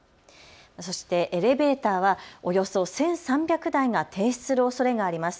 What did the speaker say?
そしてエレベーターはおよそ１３００台が停止するおそれがあります。